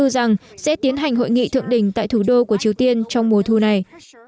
rằng sẽ tiến hành hội nghị thượng đỉnh tại thủ đô của triều tiên trong mùa thu này